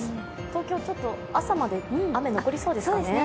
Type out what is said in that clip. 東京、朝まで雨、残りそうですかね。